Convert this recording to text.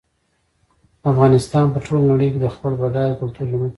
افغانستان په ټوله نړۍ کې د خپل بډایه کلتور له مخې پېژندل کېږي.